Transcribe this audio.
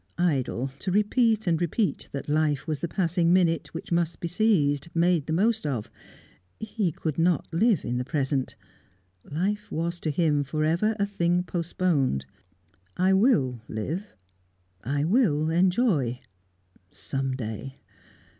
Idle to repeat and repeat that life was the passing minute, which must be seized, made the most of; he could not live in the present; life was to him for ever a thing postponed. "I will live I will enjoy some day!"